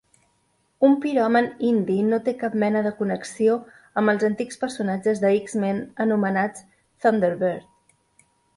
Un piròman indi, no té cap mena de connexió amb els antics personatges de X-Men anomenats Thunderbird.